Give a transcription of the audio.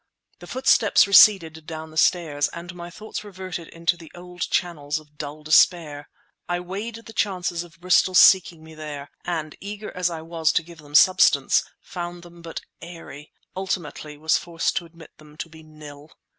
The footsteps receded down the stairs. And my thoughts reverted into the old channels of dull despair. I weighed the chances of Bristol's seeking me there; and, eager as I was to give them substance, found them but airy—ultimately was forced to admit them to be nil.